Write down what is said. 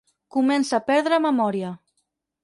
Comença a perdre memòria.